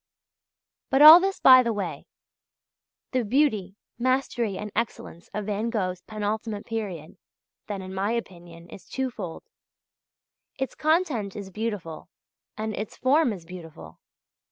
But all this by the way. The beauty, mastery, and excellence of Van Gogh's penultimate period, then, in my opinion, is twofold. Its content is beautiful and its form is beautiful.